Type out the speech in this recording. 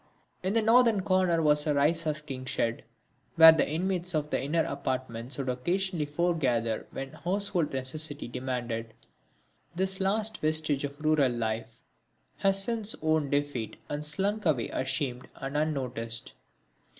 In the northern corner was a rice husking shed, where the inmates of the inner apartments would occasionally foregather when household necessity demanded. This last vestige of rural life has since owned defeat and slunk away ashamed and unnoticed.